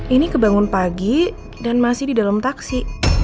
ini kebangun pagi dan masih di dalam taksi